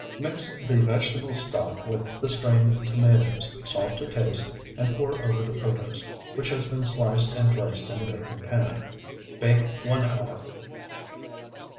Mix the vegetable stock with the strained tomatoes, salt to taste, and pour over the protose, which has been sliced and placed in a baking pan. Bake one hour.